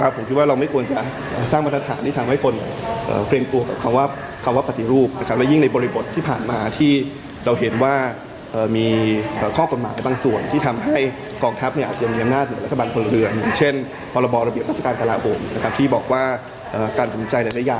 พี่บอกว่าการสนุนใจหลายอย่างเกี่ยวกับประโยบาย